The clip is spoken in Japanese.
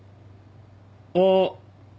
あっ。